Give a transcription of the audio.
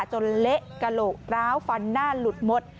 เละกระโหลกร้าวฟันหน้าหลุดหมด